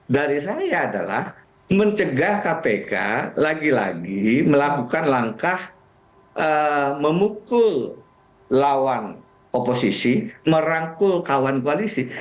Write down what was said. dari saya adalah mencegah kpk lagi lagi melakukan langkah memukul lawan oposisi merangkul kawan koalisi